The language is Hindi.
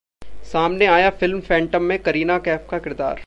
सामने आया फिल्म 'फैंटम' में कटरीना कैफ का किरदार